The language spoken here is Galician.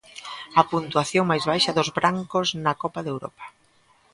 A puntuación máis baixa dos brancos na Copa de Europa.